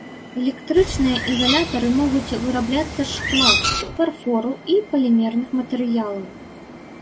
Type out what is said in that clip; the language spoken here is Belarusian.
Электрычныя ізалятары могуць вырабляцца з шкла, фарфору і палімерных матэрыялаў.